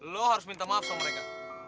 lo harus minta maaf sama mereka